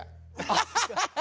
ハハハハハ！